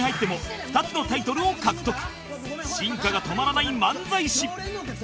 進化が止まらない漫才師